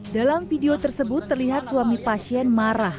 dalam video tersebut terlihat suami pasien marah